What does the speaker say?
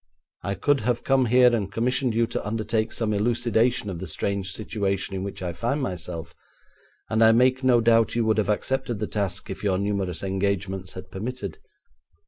I could have come here and commissioned you to undertake some elucidation of the strange situation in which I find myself, and I make no doubt you would have accepted the task if your numerous engagements had permitted.